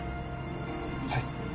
はい